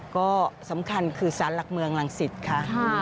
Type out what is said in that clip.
ก็สำคัญคือสารหลักเมืองรังสิตค่ะ